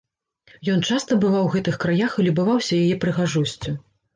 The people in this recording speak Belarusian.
Ён часта бываў у гэтых краях і любаваўся яе прыгажосцю.